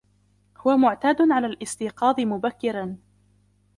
هو معتاد على الاستيقاظ مبكرا.